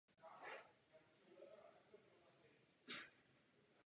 Dále kříží mnoho národních silnic a končí na dálniční křižovatce v Bruggách.